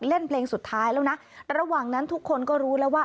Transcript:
เล่นเพลงสุดท้ายแล้วนะระหว่างนั้นทุกคนก็รู้แล้วว่า